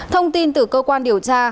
thông tin từ cơ quan điều tra